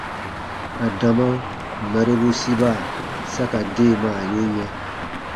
Adama marebu siba sa ka deemaa ye yɛ̃.